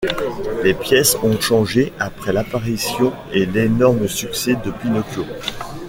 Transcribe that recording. Les pièces ont changé après l'apparition et l'énorme succès de Pinocchio.